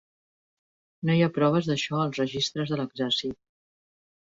No hi ha proves d'això als registres de l'exèrcit.